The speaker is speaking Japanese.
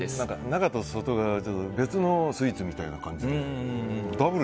中と外では別のスイーツみたいな感じで。